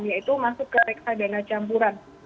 yaitu masuk ke reksadana campuran